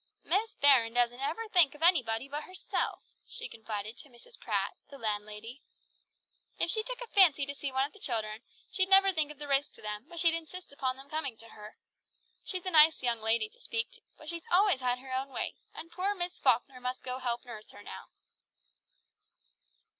"Miss Baron doesn't ever think of anybody but herself," she confided to Mrs. Pratt, the landlady. "If she took a fancy to see one of the children, she'd never think of the risk to them, but she'd insist upon them coming to her. She's a nice young lady to speak to, but she's always had her own way, and poor Miss Falkner must go to help nurse her now!"